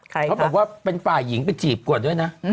เขาบอกว่าเป็นฝ่ายหญิงไปจีบก่อนด้วยนะ